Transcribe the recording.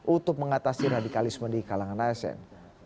untuk mengatasi radikalisme di kalangan asn